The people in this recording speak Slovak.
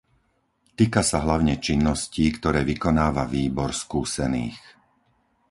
Týka sa hlavne činností, ktoré vykonáva výbor skúsených.